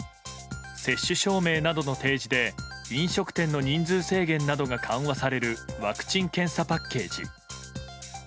接種証明の提示で飲食店の人数制限などが緩和されるワクチン・検査パッケージ。